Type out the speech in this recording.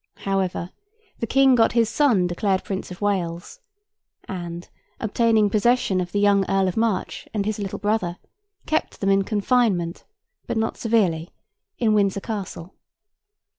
However, the King got his son declared Prince of Wales; and, obtaining possession of the young Earl of March and his little brother, kept them in confinement (but not severely) in Windsor Castle.